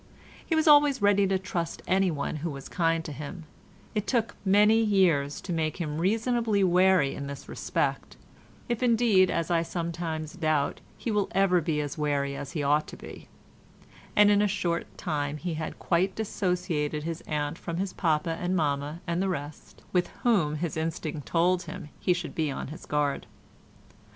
He was always ready to trust anyone who was kind to him; it took many years to make him reasonably wary in this respect—if indeed, as I sometimes doubt, he ever will be as wary as he ought to be—and in a short time he had quite dissociated his aunt from his papa and mamma and the rest, with whom his instinct told him he should be on his guard.